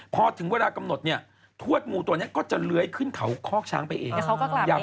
พอถึงเวลากำหนดเนี่ยทวดงูตัวนี้ก็จะเลื้อยขึ้นเขาคอกช้างไปเอง